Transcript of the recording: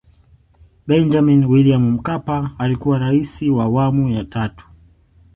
Benjamini Wiliam Mkapa alikuwa Raisi wa awamu ya tatu